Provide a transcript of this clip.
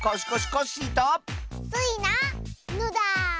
スイなのだ。